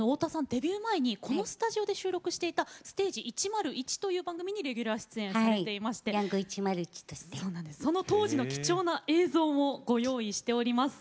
デビュー前にこのスタジオで収録していた「ステージ１０１」という番組にレギュラー出演されていましてその当時の貴重な映像をご用意しております。